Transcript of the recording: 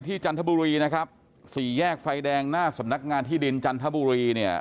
จันทบุรีนะครับสี่แยกไฟแดงหน้าสำนักงานที่ดินจันทบุรีเนี่ย